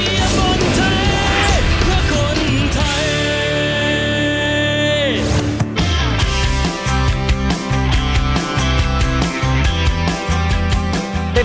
เราจะเชียร์บนไทยเพื่อคนไทย